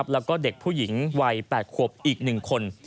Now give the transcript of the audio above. แล้วก็เด็กผู้หญิงวัย๘ขวบอีก๑คน